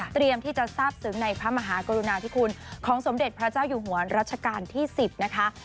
ที่จะทราบซึ้งในพระมหากรุณาธิคุณของสมเด็จพระเจ้าอยู่หัวรัชกาลที่๑๐นะคะ